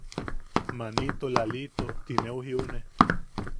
Manito Lalito ti neu jiune.